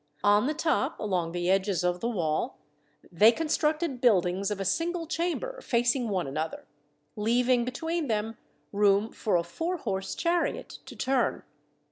On the top, along the edges of the wall, they constructed buildings of a single chamber facing one another, leaving between them room for a four horse chariot to turn.